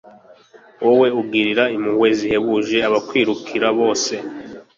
wowe ugirira impuhwe zihebuje abakwirukira bose